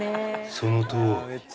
そのとおり。